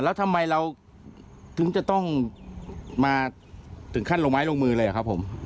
แล้วทำไมเราถึงจะต้องมาถึงขั้นลงไม้ลงมือเลยอะครับผม